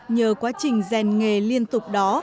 nhờ quá trình rèn nghề liên tục đó